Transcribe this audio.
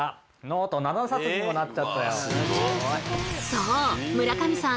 そう村上さん